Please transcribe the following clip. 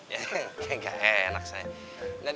ya enggak enak saya